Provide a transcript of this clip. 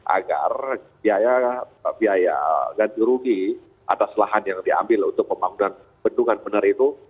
agar biaya ganti rugi atas lahan yang diambil untuk pembangunan bendungan bener itu